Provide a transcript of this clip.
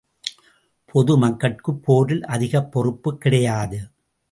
பொதுமக்கட்குப் போரில் அதிகப் பொறுப்பு கிடையாது.